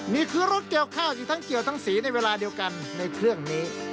นี่คือรถเกี่ยวข้าวที่ทั้งเกี่ยวทั้งสีในเวลาเดียวกันในเครื่องนี้